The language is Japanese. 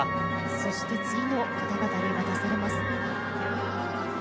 そして、次の方々に渡されます。